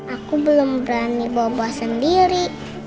aku belum berani bawa sendiri